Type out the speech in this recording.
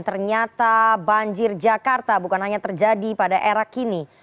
ternyata banjir jakarta bukan hanya terjadi pada era kini